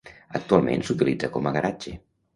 Actualment s'utilitza com a garatge.